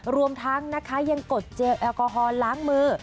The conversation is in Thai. รวมทั้งนะคะยังกดเจลแอลกอฮอลล้างมือ